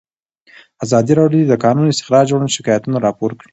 ازادي راډیو د د کانونو استخراج اړوند شکایتونه راپور کړي.